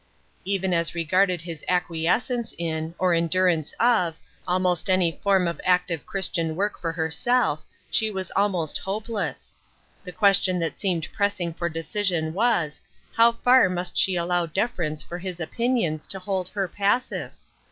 Even as regarded his acquiescence in, or endur ance of, almost any form of active Christian work for herself, she was almost hopeless. The question that seemed pressing for decision was, How far must she allow deference for his opinions to hold her passive